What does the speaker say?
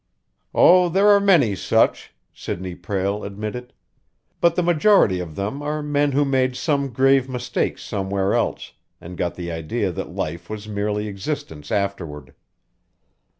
"Oh, there are many such," Sidney Prale admitted. "But the majority of them are men who made some grave mistake somewhere else and got the idea that life was merely existence afterward.